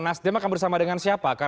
nasdem akan bersama dengan siapa